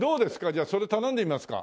じゃあそれ頼んでみますか？